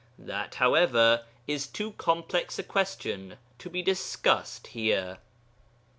That, however, is too complex a question to be discussed here.